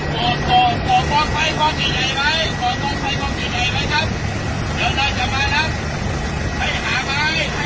อย่าอย่าอย่าอย่าอย่าอย่าอย่าอย่าอย่าอย่าอย่าอย่าอย่าอย่าอย่า